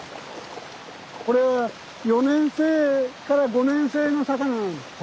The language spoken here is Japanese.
これ４年生から５年生の魚なんです。